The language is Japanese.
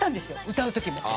歌う時も。